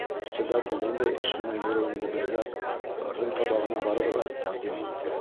Председатель ниндәй эш менән йөрөүемде белгәс, ырҙын табағына барырға тәҡдим итте.